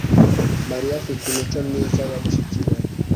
Mariya afite imico myiza nka mushiki we.